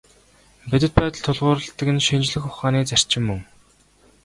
Бодит байдалд тулгуурладаг нь шинжлэх ухааны зарчим мөн.